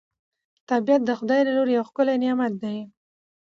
طبیعت د خدای له لوري یو ښکلی نعمت دی